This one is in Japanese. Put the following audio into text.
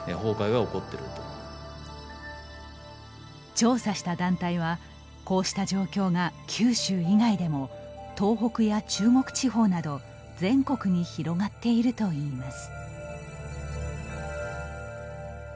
調査した団体はこうした状況が、九州以外でも東北や中国地方など全国に広がっているといいます。